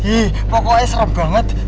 ih pokoknya serem banget